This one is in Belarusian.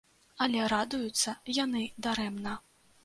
Але радуюцца яны дарэмна.